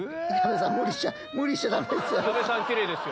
無理しちゃダメですよ。